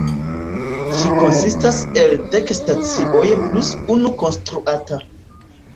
Ĝi konsistas el dek stacioj plus unu konstruata.